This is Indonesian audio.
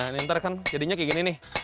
nanti kan jadinya kayak gini nih